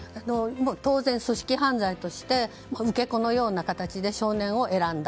当然、組織犯罪として受け子の役割で少年を選んだ。